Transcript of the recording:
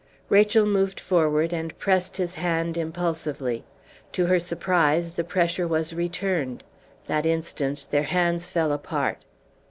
Rachel moved forward and pressed his hand impulsively. To her surprise the pressure was returned. That instant their hands fell apart.